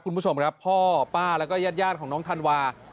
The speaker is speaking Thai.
คุณผู้ชมครับพ่อป้าแล้วก็ญาติของน้องธันวา